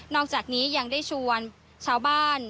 อกจากนี้ยังได้ชวนชาวบ้าน